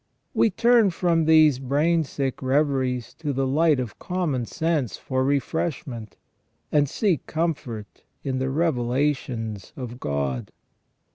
We turn from these brainsick reveries to the light of common sense for refreshment, and seek comfort in the revelations of God.